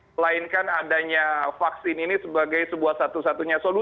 melainkan adanya vaksin ini sebagai sebuah satu satunya solusi